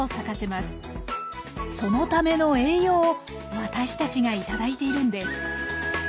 そのための栄養を私たちが頂いているんです。